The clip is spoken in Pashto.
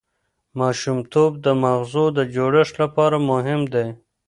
ماشومتوب د ماغزو د جوړښت لپاره مهم دی.